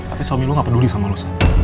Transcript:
tapi suami lo gak peduli sama lo